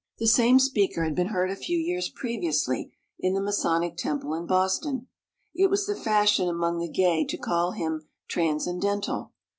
The same speaker had been heard a few years previously in the Masonic Temple in Boston. It was the fashion among the gay to call him transcendental.